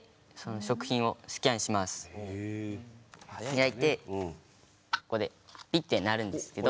開いてここでピッて鳴るんですけど。